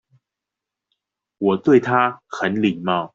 我對他很禮貌